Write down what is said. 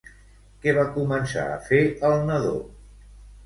Què va començar a fer el nadó?